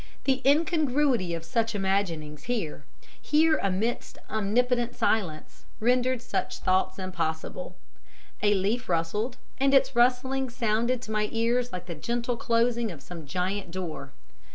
The incongruity of such imaginings here here amidst omnipotent silence rendered such thoughts impossible. A leaf rustled, and its rustling sounded to my ears like the gentle closing of some giant door.